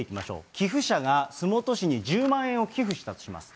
寄付者が洲本市に１０万円を寄付したとします。